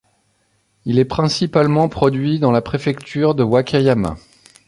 Il est principalement produit dans la préfecture de Wakayama.